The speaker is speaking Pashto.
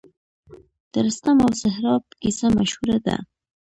د رستم او سهراب کیسه مشهوره ده